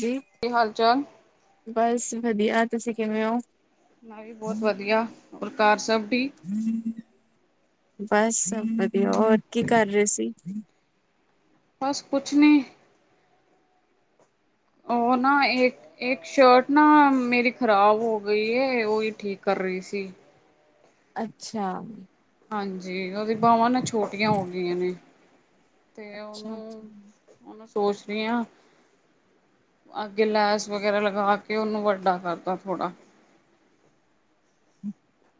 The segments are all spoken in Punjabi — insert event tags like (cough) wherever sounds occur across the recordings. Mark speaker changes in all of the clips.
Speaker 1: ਜੀ
Speaker 2: ਕੀ ਹਾਲ ਚਾਲ
Speaker 1: ਬਸ ਵਧੀਆ ਤੁਸੀਂ ਕਿਵੇਂ ਹੋ
Speaker 2: ਲਾਈਫ ਬਹੁਤ ਵਧੀਆ ਹੋਰ ਘਰ ਸਭ ਠੀਕ
Speaker 1: ਬਸ ਵਧੀਆ ਹੋਰ ਕੀ ਕਰ ਰਹੇ ਸੀ।
Speaker 2: ਬਸ ਕੁਝ ਨਹੀਂ ਉਹ ਨਾ ਇਹ ਇੱਕ ਸ਼ਰਟ ਨਾ ਮੇਰੀ ਖ਼ਰਾਬ ਹੋ ਗਈ ਉਹੀ ਠੀਕ ਕਰ ਰਹੀ ਸੀ।
Speaker 1: ਅੱਛਾ
Speaker 2: ਹਾਂਜੀ ਉਹਦੀ ਬਵਾਂ ਨਾ ਛੋਟੀਆਂ ਹੋ ਗਈਆਂ ਨੇ ਤੇ
Speaker 1: ਅੱਛਾ ਅੱਛਾ
Speaker 2: ਓਨੂੰ ਹੁਣ ਮੈਂ ਸੋਚ ਰਹੀ ਹਾਂ। ਅੱਗੇ ਲੈਸ ਵਗੈਰਾ ਲਗਾ ਕੇ ਉਹਨੂੰ ਵੱਡਾ ਕਰਦਾ ਥੋੜ੍ਹਾ
Speaker 1: (inaudible)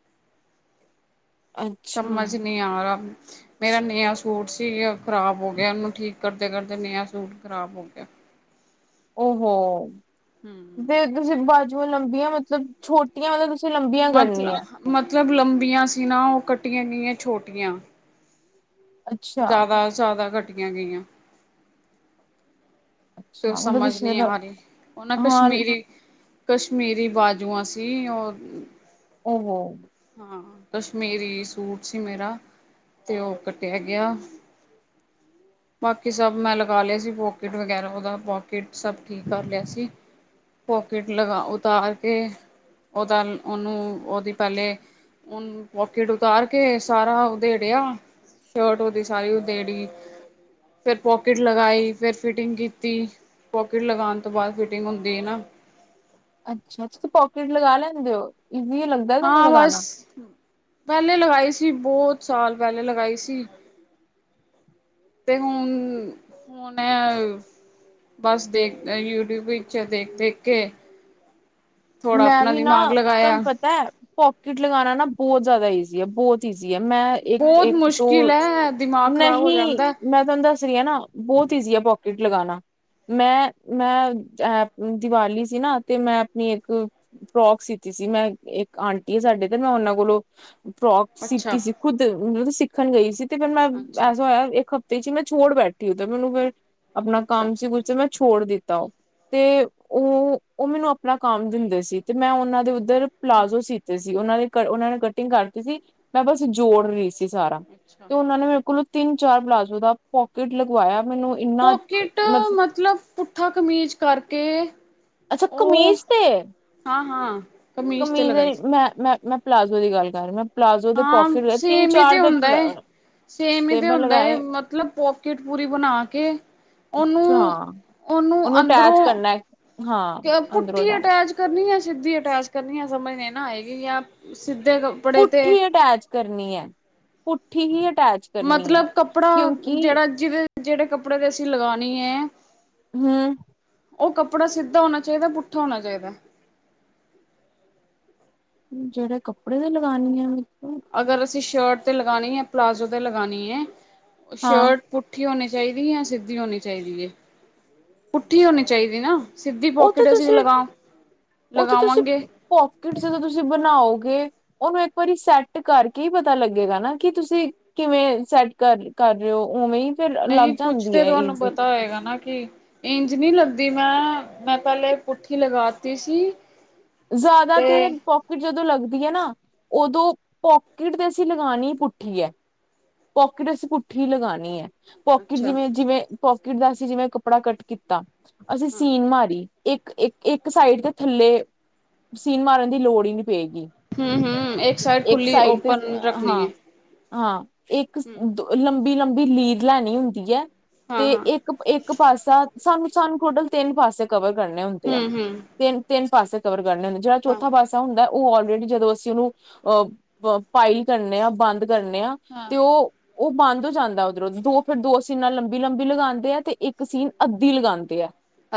Speaker 1: ਅੱਛਾ
Speaker 2: ਸਮਝ ਨਹੀਂ ਆ ਰਹਾ ਮੇਰਾ ਨਯ ਸੂਟ ਸੀ ਖ਼ਰਾਬ ਹੋ ਗਿਆ ਉਹਨੂੰ ਠੀਕ ਕਰਦੇ ਕਰਦੇ ਨਯ ਸੂਟ ਖ਼ਰਾਬ ਹੋ ਗਿਆ।
Speaker 1: ਉਹਹੋ
Speaker 2: ਹਮ
Speaker 1: ਤੇ ਤੁਸੀਂ ਬਾਜੂਆਂ ਲੰਬੀਆਂ ਮਤਲਬ ਛੋਟੀਆਂ ਮਤਲਬ ਤੁਸੀਂ ਲੰਬੀਆਂ
Speaker 2: ਮਤਲਬ
Speaker 1: ਕਰਨੀਆਂ।
Speaker 2: ਮਤਲਬ ਲੰਬੀਆਂ ਸੀ ਨਾ ਉਹ ਕੱਟੀਆਂ ਗਈਆਂ ਛੋਟੀਆਂ
Speaker 1: ਅੱਛਾ
Speaker 2: ਜ਼ਿਆਦਾ -ਜ਼ਿਆਦਾ ਘਟੀਆਂ ਗਈਆਂ। ਤੇ ਉਹ
Speaker 1: ਅੱਛਾ ਮਤਲਬ
Speaker 2: ਸਮਝ
Speaker 1: ਤੁਸੀਂ
Speaker 2: ਨਹੀਂ ਆ ਰਹੀ ਉਹਨਾਂ
Speaker 1: ਹਾਂ
Speaker 2: ਕਸ਼ਮੀਰੀ ਕਸ਼ਮੀਰੀ ਬਾਜੂਆਂ ਸੀ ਉਹ
Speaker 1: ਉਹਹੋ
Speaker 2: ਹਾਂ ਕਸ਼ਮੀਰੀ ਸੂਟ ਸੀ ਮੇਰਾ ਤੇ ਉਹ ਕੱਟਿਆ ਗਿਆ। ਬਾਕੀ ਸਭ ਮੈਂ ਲਗਾ ਲਿਆ ਸੀ ਪੋਕੀਟ ਵਗੈਰਾ ਦਾ ਪੋਕਿਟ ਸਭ ਠੀਕ ਕਰ ਲਿਆ ਸੀ ਪੋਕਿਟ ਲਗਾ ਉਤਾਰ ਕੇ ਉਹਦਾ ਉਹਨੂੰ ਉਹਦੀ ਪਹਿਲੇ ਹੁਣ ਪੋਕਿਟ ਉਤਾਰ ਕੇ ਸਾਰਾ ਉਧੇੜਿਆ। ਸ਼ਰਟ ਉਹਦੀ ਸਾਰੀ ਉਹਦੇੜੀ ਫੇਰ ਪੋਕਿਟ ਲਗਾਈ ਫੇਿਰ ਫਿਟਿੰਗ ਕੀਤੀ। ਦੀ ਪੋਕਿਟ ਲਗਾਉਣ ਤੋਂ ਬਾਅਦ ਫਿਟਿੰਗ ਹੁੰਦੀ ਹੈ ਨਾ।
Speaker 1: ਅੱਛਾ ਤੁਸੀਂ ਪੋਕੇਟ ਲਗਾ ਲੈਂਦੇ ਹੋ ਇੀ ਲਉ
Speaker 2: ਹਾਂ ਬਸ ਪਹਿਲੇ ਲਗਾਈ ਸੀ ਬਹੁਤ ਸਾਲ ਪਹਿਲੇ ਲਗਾਈ ਸੀ। ਤੇ ਹੁਣ- ਹੁਣ ਐ। ਬਸ ਦੇਖ ਯੂਟਿਊਬ ਵਿੱਚ ਦੇਖ- ਦੇਖ ਕੇ ਥੋੜਾ ਆਪਣਾ ਦਿਮਾਗ ਲਗਾਇਆ।
Speaker 1: ਪੋਕਿਟ ਲਗਾਉਣਾ ਨਾ ਬਹੁਤ ਜ਼ਿਆਦਾ ਈਜ਼ੀ ਆ ਬਹੁਤ ਈਜੀ ਹੈ ਮੈਂ ਇੱਕ
Speaker 2: ਬਹੁਤ
Speaker 1: -ਇੱਕ
Speaker 2: ਮੁਸ਼ਕਿਲ
Speaker 1: ਤੋਂ
Speaker 2: ਹੈ ਦਿਮਾਗ ਖ਼ਰਾਬ ਹੋ
Speaker 1: ਨਹੀਂ
Speaker 2: ਜਾਂਦਾ
Speaker 1: ਮੈਂ ਤੁਹਾਨੂੰ ਦੱਸ ਦੀ ਨਾ ਬਹੁਤ ਈਜ਼ੀ ਆ ਪੋਕੀਟ ਲਗਾਉਣਾ। ਮੈਂ -ਮੈਂ ਅ ਦੀਵਾਲੀ ਸੀ ਨਾ ਤੇ ਮੈਂ ਆਪਣੀ ਇੱਕ ਫਰੋਕ ਸੀਤੀ ਸੀ ਮੈਂ ਇੱਕ ਆਂਟੀ ਆ ਸਾਡੇ ਤੇ ਮੈਂ ਉਹਨਾਂ ਕੋਲੋਂ ਫਰੋਕ
Speaker 2: ਅੱਛਾ,
Speaker 1: ਸਿਖੀ ਸੀ ਖੁੱਦ ਮਤਲਬ ਸਿੱਖਣ ਗਈ ਸੀ ਤੇ ਫਿਰ ਮੈਂ
Speaker 2: ਅੱਛਾ,
Speaker 1: ਐਸਾ ਹੋਇਆ ਇੱਕ ਤੇ ਸੀ ਮੈਂ ਛੋੜ ਬੈਠੀ ਹ ਤਾਂ ਮੈਨੂੰ ਫਿਰ ਆਪਣਾ
Speaker 2: ਅੱਛਾ
Speaker 1: ਕੰਮ ਸੀ ਕੁਛ ਜ ਮੈਂ ਛੋੜ ਦਿੱਤਾ ਉਹ ਤੇ ਉਹ ਉਹ ਮੈਨੂੰ ਆਪਣਾ ਕੰਮ ਦਿੰਦੇ ਸੀ ਤੇ ਮੈਂ ਉਹਨਾਂ ਦੇ ਉੱਧਰ
Speaker 2: ਹੂੰ,
Speaker 1: ਪਲਾਜ਼ੋ ਸੀ ਸੀ ਉਹਨਾਂ ਦੇ ਉਹਨਾਂ ਨੇ ਕਟਿੰਗ ਕਰਤੀ ਸੀ ਮੈਂ ਬ ਜੋੜ ਰਹੀ ਸੀ। ਸਾਰਾ
Speaker 2: ਅੱਛਾ।
Speaker 1: ਤੇ ਉਹਨਾਂ ਨੇ ਮੇਰੇ ਕੋਲੋਂ ਤਿੰਨ ਚਾਰ ਪਲਾਜੋ ਦਾ ਪੋਕਿਟ ਲਗਵਾਇਆ ਮੈਨੂੰ
Speaker 2: ਪੋਕਿਟ ਮਤਲਬ ਪੁੱਠਾ ਕਮੀਜ਼ ਕਰਕੇ
Speaker 1: ਅੱਛਾ
Speaker 2: ਉਹ
Speaker 1: ਕਮੀਜ਼ ਤੇ
Speaker 2: ਹਾਂ-ਹਾਂ ਤੇ
Speaker 1: ਕਮੀਜ਼ ਦੇ
Speaker 2: ਲਗਾਈ ਸੀ।
Speaker 1: ਮੈਂ- ਮੈਂ- ਮੈਂ ਪਲਾਜ਼ੋ ਦੀ ਗੱਲ ਕਰ ਮੈਂ ਪਲਾਜ਼ੋ ਦੇ
Speaker 2: ਹਾਂ
Speaker 1: ਪੋਫਿਟ ਤਿੰਨ
Speaker 2: ਸੇਮ ਈ ਤੇ
Speaker 1: ਚਾਰ ਦੇ
Speaker 2: ਹੁੰਦਾ ਏ। ਸੇਮ ਹੀ ਤੇ
Speaker 1: ਮੈਂ
Speaker 2: ਹੁੰਦਾ ਹੈ
Speaker 1: ਲਗਾਏ
Speaker 2: ਮਤਲਬ ਪੋਕਿਟ ਪੂਰੀ ਬਣਾ ਕੇ ਉਹਨੂੰ-
Speaker 1: ਹਾਂ
Speaker 2: ਉਹਨੂੰ
Speaker 1: ਅਟੈਚ
Speaker 2: ਅੰਦਰੋਂ
Speaker 1: ਕਰਨਾ ਹਾਂ ਅੰਦਰੋਂ
Speaker 2: ਪੁੱਠੀ ਅਟੈਚ ਕਰਨੀ ਆ ਸਿੱਧੀ ਅਟੈਚ ਕਰਨੀ ਆ ਸਮਝ ਨਾ ਆ ਕਿ ਸਿੱਧੇ ਕੱਪੜੇ ਤੇ
Speaker 1: ਪੁੱਠੀ ਅਟੈਚ ਕਰਨੀ ਹੈ। ਪੁੱਠੀ ਹੀ ਅਟੈਚ ਕਰਨੀ ਹੈ
Speaker 2: ਮਤਲਬ ਕੱਪੜਾ
Speaker 1: ਕਿਉਂਕਿ
Speaker 2: ਜਿਹੜਾ ਜਿਹਦੇ ਜਿਹੜੇ ਕੱਪੜੇ ਦੇ ਅਸੀਂ ਲਗਾਣੀ ਏ।
Speaker 1: ਹੂੰ
Speaker 2: ਉਹ ਕੱਪੜਾ ਸਿੱਧਾ ਹੋਣਾ ਚਾਹੀਦਾ ਪੁੱਠਾ ਹੋਣਾ ਚਾਹੀਦਾ।
Speaker 1: ਜਿਹੜੇ ਕੱਪੜੇ ਦੀ ਲਗਾਾਨਣੇ ਆ ਮ।
Speaker 2: ਅਗਰ ਅਸੀਂ ਸ਼ਰਟ 'ਤੇ ਲਗਉਣੀ ਹੈ ਪਲਾਜ਼ੋ 'ਤੇ ਲਗਣੀ ਹੈ
Speaker 1: ਹਾਂ
Speaker 2: ਸ਼ਰਟ। ਪੁੱਠੀ ਹੋਣੀ ਚਾਹੀਦੀ ਜਾਂ ਸਿੱਧੀ ਹੋਣੀ ਚਾਹੀਦੀ ਹੈ ਪੁੱਠੀ ਹੋਣੀ ਚਾਹੀਦੀ ਨਾ। ਸਿੱਧੀ
Speaker 1: ਉਹ ਤਾਂ
Speaker 2: ਪੋਕਿਟ ਅਸੀਂ ਵੀ
Speaker 1: ਤੁਸੀਂ
Speaker 2: ਲਗਾ ਲਗਾਵਾਂਗੇ।
Speaker 1: ਪੋਕਿਟ ਜਦੋਂ ਤੁਸੀਂ ਬਣਾਓਗੇ ਉਹਨੂੰ ਇੱਕ ਵਾਰੀ ਸੈੱਟ ਕਰਕੇ ਹੀ ਪਤਾ ਲੱਗੇਗਾ ਨਾ ਕੀ ਤੁਸੀਂ। ਕਿਵੇਂ ਸੈਟ ਕਰ ਕਰ ਰਹੇ ਹੋ ਉਵੇਂ। ਫਿਰ ਲੱਗ
Speaker 2: ਨਹੀਂ ਕੁੱਛ
Speaker 1: ਜਾਂਦੀ
Speaker 2: ਤਾਂ
Speaker 1: ਹੈ
Speaker 2: ਤੁਹਾਨੂੰ
Speaker 1: ਈਜ਼ੀ
Speaker 2: ਪਤਾ ਹੋਏਗਾ ਨਾ ਕਿ। ਇੰਜ ਨਹੀਂ ਲੱਗਦੀ ਮੈਂ ਮੈਂ ਪਹਿਲੇ ਪੁਠੀ ਲਗਾ ਦਿੱਤੀ ਸੀ।
Speaker 1: ਜ਼ਿਆਦਾ ਤੇ। ਪੋਕਿਟ ਜਦੋਂ ਲੱਗਦੀ ਹੈ ਨਾ ਉਦੋਂ ਪੋਕਿਟ ਤੇ ਅਸੀਂ ਲਗਾਉਣੀ ਹੀ ਪੁੱਠੀ ਹੈ। ਪਕਿਟ ਅਸੀਂ ਪੁੱਠੀ ਲਗਾਉਣੀ ਹੈ। ਪੋਕਿਟ
Speaker 2: ਅੱਛਾ
Speaker 1: ਜਿਵੇਂ ਜਿਵੇਂ ਪੋਕਿਟ ਦਾ ਅਸੀਂ ਜਿਵੇਂ ਕੱਪੜਾ ਕੱਟ ਕੀਤਾ ਅਸੀਂ
Speaker 2: ਹਾਂ
Speaker 1: ਸੀਨ ਮਾਰੀ। ਇੱਕ, ਇੱਕ ਇੱਕ ਸਾਈਡ ਦੇ ਥੱਲੇ। ਸੀਨ ਮਾਰਨ ਦੀ ਲੋੜ ਹੀ ਨਹੀਂ ਪਏਗੀ
Speaker 2: ਹੂੰ, ਹੂੰ ਇੱਕ ਸਾਈਡ ਖੁੱਲੀ
Speaker 1: ਸਾਈਡ ਤੇ
Speaker 2: ਓਪਨ ਰੱਖਣੀ
Speaker 1: ਹਾਂ
Speaker 2: ਹੈ।
Speaker 1: ਹਾਂ ਇੱਕ
Speaker 2: ਹਮ
Speaker 1: ਦ ਲੰਬੀ ਲੰਬੀ ਲੀਰ ਲੈਣੀ ਹੁੰਦੀ ਹੈ
Speaker 2: ਹਾਂ
Speaker 1: ਤੇ
Speaker 2: ਹਾਂ
Speaker 1: ਇੱਕ। ਇੱਕ ਪਾਸਾ ਸਾਨੂੰ, ਸਾਨੂੰ ਟੋਟਲ ਤਿੰਨ ਪਾਸੇ ਕਵਰ ਕਰਨੇ ਹੁੰਦੇ ਆ
Speaker 2: ਹਮ ਹਮ
Speaker 1: ਤਿੰਨ, ਤਿੰਨ ਪਾਸੇ। ਕਵਰ ਕਰਨ ਹ ਜਿਹੜਾ
Speaker 2: ਹਾਂ
Speaker 1: ਚੌਥਾ ਪਾਸਾ ਹੁੰਦਾ। ਉਹ ਆਲਰੇਡੀ ਜਦੋਂ ਅਸੀਂ ਉਹਨੂੰ ਅਹ ਪਾਈ ਕਰਨੇ ਆ ਬੰਦ ਕਰਨੇ ਆ
Speaker 2: ਹਾਂ
Speaker 1: ਤੇ ਉਹ ਉਹ ਬੰਦ ਹੋ ਜਾਂਦਾ ਉਧਰੋਂ ਦੋ ਫਿਰ ਦੋ ਸੀਨਾ ਲੰਬੀ, ਲੰਬੀ ਲਗਾਉਂਦੇ ਆ ਤੇ ਇੱਕ ਸੀਨ ਅੱਧੀ ਲਗਾਉਂਦੇ ਆ।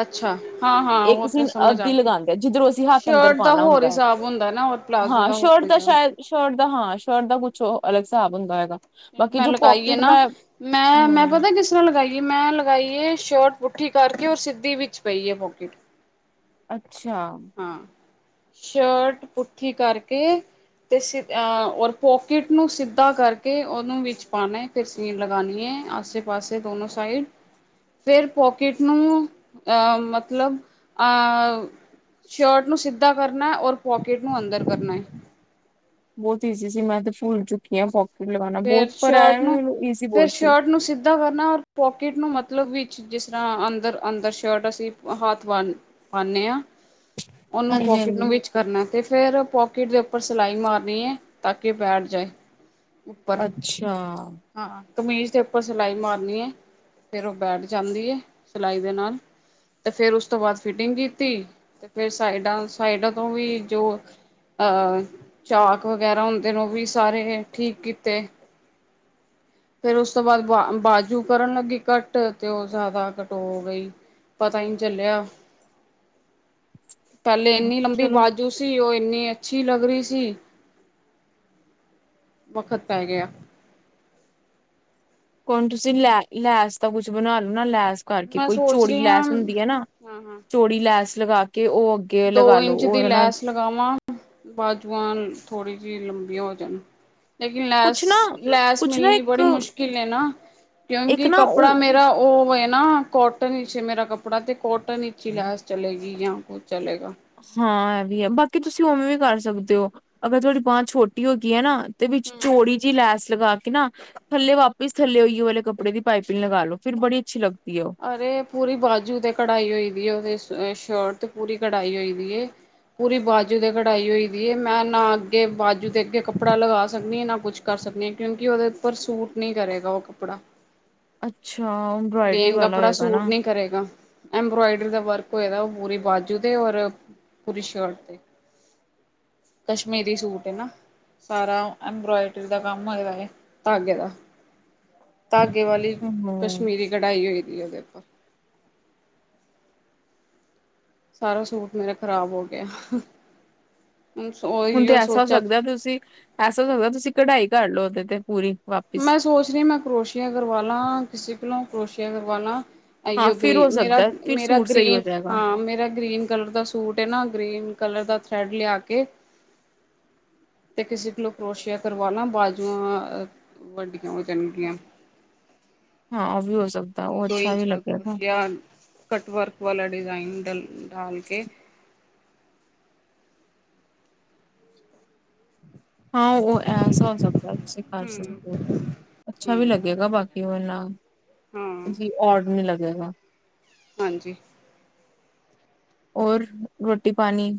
Speaker 2: ਅੱਛਾ, ਹਾਂ, ਹਾਂ
Speaker 1: ਇੱਕ
Speaker 2: ਉਹ ਤੇ
Speaker 1: ਸੀਨ
Speaker 2: ਸਮਝ ਆ
Speaker 1: ਅੱਧੀ ਲਗਾਉਂਦੇ ਜਿੱਧਰੋਂ ਅਸੀਂ
Speaker 2: ਗਈ।
Speaker 1: ਹੱਥ ਅੰਦਰ
Speaker 2: ਸ਼ਰਟ ਦਾ
Speaker 1: ਪਾਉਣਾ
Speaker 2: ਹੋਰ
Speaker 1: ਹੁੰਦਾ
Speaker 2: ਹਿਸਾਬ ਹੁੰਦਾ ਨਾਰ ਪਲਾਜ਼ੋ
Speaker 1: ਹਾਂ
Speaker 2: ਦਾ ਹੋਰ
Speaker 1: ਸ਼ਰਟ
Speaker 2: ਹਿਸਾਬ।
Speaker 1: ਸ਼ਾਇਦ ਸ਼ਰਟ ਦਾ ਹਾਂ ਸ਼ਰਟ ਦਾ ਕੁਛ ਉਹ ਅਲੱਗ ਹਿਸਾਬ ਹੁੰਦਾ ਹੈਗਾ। ਬਾਕੀ
Speaker 2: ਮੈਂ
Speaker 1: ਜੋ
Speaker 2: ਲਗਾਈ ਹੈ
Speaker 1: ਪੋਕਿਟ
Speaker 2: ਨਾ
Speaker 1: ਮੈਂ
Speaker 2: ਮੈਂ ਮੈਂ
Speaker 1: ਹੂੰ,
Speaker 2: ਪਤਾ ਕਿਸ। ਉਸਰ੍ਹਾਂ ਲਗਾਈ ਮੈਂ ਲਗਾਈ ਹੈ ਸ਼ਰਟ ਪੁੱਠੀ ਕਰਕੇ ਔਰ ਸਿੱਧੀ ਵਿੱਚ ਪਈ ਹੈ ਪੋਕੀਟ।
Speaker 1: ਅੱਛਾ।
Speaker 2: ਹਾਂ ਸ਼ਰਟ ਪੁਠੀ ਕਰਕੇ। ਅਤੇ ਸ ਔਰ ਪੋਕਿਟ ਨੂੰ ਸਿੱਧਾ ਕਰਕੇ ਉਹਨੂੰ ਵਿੱਚ ਪਾਉਣਾ। ਫਿਰ ਸਸੀਨ ਲਗਉਣੀ ਹੈ ਆਸੇ ਪਾਸੇ ਦੋਨੋ ਸਾਈਡ। ਫਿਰ ਪੋਕਿਟ ਨੂੰ ਮਤਲਬ। ਸ਼ਰਟ ਨੂੰ ਸਿੱਧਾ ਕਰਨਾ ਔਰ ਪੋਕਿਟ ਨੂੰ ਅੰਦਰ ਕਰਨਾ ਹੈ।
Speaker 1: ਬਹੁਤ ਈਜ਼ੀ ਸੀ ਮੈਂ ਤੇ ਭੁੱਲ ਚੁੱਕੀ ਹਾਂ ਪੋਕੀਟ ਲਗਾਉਣਾ
Speaker 2: ਫਿਰ
Speaker 1: ਬਹੁਤ ਪਰ ਆਇਆ ਮੈਨੂੰ ਈਜ਼ੀ ਬਹੁਤ ਸੀ।
Speaker 2: ੱਦਾਂ ਕਰਨਾ ਰ ਪੋਕਿਟ ਨੂੰ ਮਤਲਬ ਵੀ ਜਿਸ ਤਰ੍ਹਾਂ ਅੰਦਰ ਅੰਦਰ ਸ਼ਰਟ ਅਸੀਂ ਹੱਥ ਬ ਪਾਦੇ ਹਾਂ ਉਹਨੂੰ ਪੋਕਿਟ ਨੂੰ
Speaker 1: ਹਾਂਜੀ-ਹਾਂਜੀ।
Speaker 2: ਵਿੱਚ। ਕਰਨਾ ਅਤੇ ਫਿਰ ਪੋਕਿਟ ਦੇ ਉਪਰ ਸਿਲਾਈ ਮਾਰਨੀ ਹੈ ਤਾਂ ਕਿ ਬੈਠ ਜਾਏ। ਉੱਪਰ
Speaker 1: ਅੱਛਾ
Speaker 2: ਹਾਂ ਕਮੀਜ਼ ਦੇ ਉੱਪਰ ਸਿਲਾਈ ਮਾਰਨੀ ਹੈ ਫਿਰ ਉਹ ਬੈਠ ਜਾਂਦੀ ਹੈ ਸਿਲਾਈ ਦੇ ਨਾਲ ਤੇ ਫੇਿਰ ਉਸ ਤੋਂ ਬਾਅਦ ਫਿਟਿੰਗ ਕੀਤੀ ਤੇ ਫਿਰ ਸਾਈਡਾਂ ਸਾਈਡਾਂ ਤੋਂ ਵੀ ਜੋ ਚਾਕ ਵਗੈਰਾ ਹੁੰਦੇ ਨੇ ਉਹ ਵੀ ਸਾਰੇ ਠੀਕ ਕੀਤੇ ਫੇਰ ਉਸ ਤੋਂ ਬਾਅਦ ਬਾ ਬਾਜੂ ਕਰਨ ਲੱਗੀ ਕੱਟ ਤੇ ਉਹ ਜ਼ਿਆਦਾ ਕਟੋ ਗਈ ਪਤਾ ਹੀ ਨਹੀਂ ਚੱਲਿਆ ਪਹਿਲੇ ਇੰਨੀ ਲੰਬੀ
Speaker 1: ਚਲੋ।
Speaker 2: ਆਵਾਜ਼ ਜੂਸੀ ਉਹ ਇੰਨੀ ਅੱਛੀ ਲੱਗ ਰਹੀ ਸੀ ਵਖਤ ਪ ਗਿਆ
Speaker 1: ਹਣ ਤੁਸੀਂ ਲੈ ਲੈਸ ਦਾ ਕੁਛ ਬਣਾ ਲਓ ਨਾ ਲੈਸ ਕਰਕੇ
Speaker 2: ਮੈਂ
Speaker 1: ਕੋਈ
Speaker 2: ਸੋਚ
Speaker 1: ਚੋੜੀ
Speaker 2: ਰਹੀ ਹਾਂ
Speaker 1: ਲੈਸ ਹੁੰਦੀ ਹੈ ਨਾ
Speaker 2: ਹਾਂ ਹਾਂ
Speaker 1: ਚੋੜੀ ਲੈਸ ਲਗਾ ਕੇ ਉਹ ਅੱਗੇ
Speaker 2: ਦੋ
Speaker 1: ਲਗਾ ਲੋ
Speaker 2: ਇੰਚ ਦੀ
Speaker 1: ਉਹਦੇ ਨਾਲ
Speaker 2: ਲੈਸ ਲਗਾਵਾਂ ਬਾਜੂਆਂ ਥੋੜੀ ਜਿਹੀ ਲੰਬੀਆਂ ਹੋ ਜਾਣ ਲੇਕਿਨ ਲੈਸ
Speaker 1: ਕੁਛ ਨਾ
Speaker 2: ਲੈਸ
Speaker 1: ਕੁਛ ਨਾ
Speaker 2: ਮਿਲਣੀ
Speaker 1: ਇੱਕ
Speaker 2: ਬੜੀ ਮੁਸ਼ਕਿਲ ਹੈ ਨਾ
Speaker 1: ਇੱਕ
Speaker 2: ਕਿਉਂਕਿ
Speaker 1: ਨਾ
Speaker 2: ਕੱਪੜਾ
Speaker 1: ਉਹ
Speaker 2: ਮੇਰਾ ਉਹ ਹੈ ਨਾ ਕੋਟਨ ਇਚ ਮੇਰਾ ਕੱਪੜਾ ਤੇ ਕੋਟਨ ਇਚ ਹੀ ਲੈਸ ਚਲੇਗੀ ਜਾਂ ਕੁਛ ਚਲੇਗਾ।
Speaker 1: ਹਾਂ ਇਹ ਵੀ ਹੈ ਬਾਕੀ ਤੁਸੀਂ ਉਵੇਂ ਵੀ ਕਰ ਸਕਦੇ ਹੋ ਅਗਰ ਤੁਹਾਡੀ ਬਾਂਹ ਛੋਟੀ ਹੋ ਗਈ ਹੈ ਨਾ ਤੇ ਵਿੱਚ
Speaker 2: ਹਮ
Speaker 1: ਚੋੜੀ ਜਿਹੀ ਲੈਸ ਲਗਾ ਕੇ ਨਾ ਥੱਲੇ ਵਾਪਿਸ ਥੱਲੇ ਹੋਈਏ ਵਾਲੇ ਕੱਪੜੇ ਦੀ ਪਾਈਪਿੰਗ ਲਗਾ ਲਓ ਫਿਰ ਬੜੀ ਅੱਛੀ ਲੱਗਦੀ ਹੈ ਉਹ
Speaker 2: ਅਰੇ ਪੂਰੀ ਬਾਜੂ ਤੇ ਕਢਾਈ ਹੋਈ ਦੀ ਉਹਦੇ ਸ਼ਰਟ ਤੇ ਪੂਰੀ ਕੜਾਈ ਹੋਈ ਦੀ ਇਹ। ਪੂਰੀ ਬਾਜੂ ਦੇ ਕਢਾਈ ਹੋਈ ਦੀ ਇਹ ਮੈਂ ਨਾ ਅੱਗੇ ਬਾਜੂ ਦੇ ਅੱਗੇ ਕੱਪੜਾ ਲਗਾ ਸਕਦੀ ਹਾਂ ਨਾ ਕੁਛ ਕਰ ਸਕਦੇ ਹਾਂ ਕਿਉਂਕਿ ਉਹਦੇ ਉੱਪਰ ਸੂਟ ਨਹੀਂ ਕਰੇਗਾ ਉਹ ਕੱਪੜਾ
Speaker 1: ਅੱਛਾ। ਐਮਬਰਾਇਡਰੀ
Speaker 2: ਪਲੇਨ
Speaker 1: ਵਾਲਾ
Speaker 2: ਕੱਪੜਾ
Speaker 1: ਹੋਏਗਾ
Speaker 2: ਸੂਟ
Speaker 1: ਨਾ
Speaker 2: ਨ੍ਹੀਂ ਕਰੇਗਾ। ਐਮਬਰਾਇਡਰੀ ਦਾ ਵਰਕ ਹੋਏ ਦਾ ਉਹ ਪੂਰੀ ਬਾਜੂ ਤੇ ਔਰ ਪੂਰੀ ਸ਼ਰਟ 'ਤੇ ਕਸ਼ਮੀਰੀ ਸੂਟ ਹੈ ਨਾ ਸਾਰਾ ਐਬਰਾਇਡਰੀ ਦਾ ਕੰਮ ਹੋਏਦੇ ਹੈ ਧਾਗੇ ਦਾ ਧਾਗੇ ਵਾਲੀ
Speaker 1: ਹਮ
Speaker 2: ਕਸ਼ਮੀਰੀ ਕਢਾਈ ਹੋਈ ਦੀ ਇਹ ਦੇਖੋ ਸਾਰਾ ਸੂਟ ਮੇਰਾ ਖ਼ਰਾਬ ਹੋ ਗਿਆ। ਹਮ ਸੋ
Speaker 1: ਹੁਣ ਤੇ ਐਸਾ ਹੋ ਸਕਦਾ ਤੁਸੀਂ ਐਸਾ ਹੋ ਸਕਦਾ ਤੁਸੀਂ ਕਢਾਈ ਕਰ ਲਓ ਉਹਦੇ ਤੇ ਪੂਰੀ ਵਾਪਿਸ
Speaker 2: ਮੈਂ ਸੋਚ ਰਹੀਆ ਮੈਂ ਕਰੋਸ਼ਆ ਕਰਵਾਲਾ ਕਿਸੇ ਕੋਲੋਂ ਕਰੋਸ਼ਆ ਕਰਵਾ ਲਾਂ
Speaker 1: ਹਾਂ
Speaker 2: ਆਈਓ
Speaker 1: ਫਿਰ ਹੋ
Speaker 2: ਗ੍ਰੀਨ ਮੇਰਾ
Speaker 1: ਸਕਦਾ ਫਿਰ
Speaker 2: ਮੇਰਾ
Speaker 1: ਸੂਟ ਸਹੀ ਹੋ
Speaker 2: ਗ੍ਰੀਨ
Speaker 1: ਜਾਏਗਾ
Speaker 2: ਹਾਂ ਮੇਰਾ ਗ੍ਰੀਨ ਕਲਰ ਦਾ ਸੂ ਸੂਟ ਇਹ ਨਾ ਗ੍ਰੀਨ ਕਲਰ ਦਾ ਥਰੈਡ ਲਿਆ ਕੇ। ਤੇ ਕਿਸੇ ਕੋਲੋਂ ਕਰੋਏਸ਼ਿਆ ਕਰਵਾਣਾ ਬਾਜੂਆਂ ਵੱਡੀਆਂ ਹੋ ਜਾਣਗੀਆਂ।
Speaker 1: ਹਾਂ ਉਹ ਭੀ ਹੋ ਸਕਦਾ
Speaker 2: ਦੋ
Speaker 1: ਉਹ
Speaker 2: ਦੋ
Speaker 1: ਅੱਛਾ
Speaker 2: ਇੰਚ
Speaker 1: ਵੀ
Speaker 2: ਕਾ
Speaker 1: ਲੱਗੇਗਾ
Speaker 2: ਕਰੋਸ਼ੀਆ ਕਟ ਵਰਕ ਵਾਲਾ ਡਿਜ਼ਾਇਨ ਡ ਡਾਲ ਕੇ।
Speaker 1: ਹਾਂ ਉਹ ਐਸਾ ਹੋ ਸਕਦਾ ਤੁਸੀਂ ਕਰ
Speaker 2: ਹੂੰ
Speaker 1: ਸਕਦੇ ਹੋ ਅੱਛਾ
Speaker 2: ਹੂੰ
Speaker 1: ਵੀ ਲੱਗੇਗਾ ਬਾਕੀ ਇਹ ਵਲਾ
Speaker 2: ਹਾਂ
Speaker 1: ਜੀ ਔਢ ਨਹੀਂ ਲੱਗੇਗਾ।
Speaker 2: ਹਾਂਜੀ,
Speaker 1: ਹੋਰ ਰੋਟੀ ਪਾਣੀ